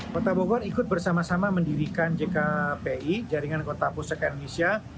kota bogor ikut bersama sama mendirikan jkpi jaringan kota pusat indonesia